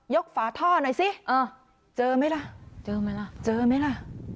ฝาท่อหน่อยสิเจอไหมล่ะเจอไหมล่ะเจอไหมล่ะ